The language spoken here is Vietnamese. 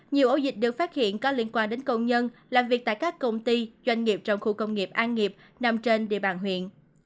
nhiều ổ dịch được phát hiện có liên quan đến công nhân làm việc tại các công ty doanh nghiệp trong khu công nghiệp an nghiệp nằm trên địa bàn huyện